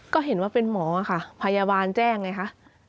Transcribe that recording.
ก็เห็นว่าเป็นหมอค่ะพยาบาลแจ้งไงคะ